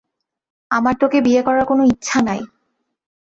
আমার তোকে বিয়ে করার কোনো ইচ্ছা নাই।